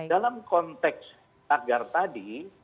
dalam konteks agar tadi